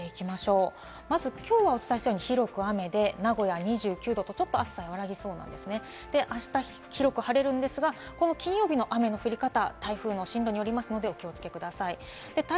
まずきょうお伝えしたように、きょうは広く雨で、名古屋も２９度とちょっと暑さは和らぎそうですが、あすは広く晴れそうですが、金曜日の雨の降り方、台風の進路によりますのでお気をつけください。